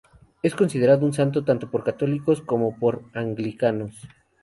Es considerado un santo tanto por católicos como por anglicanos.